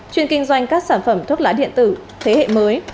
chuyên kinh doanh các sản phẩm thuốc lá điện tử thế hệ mới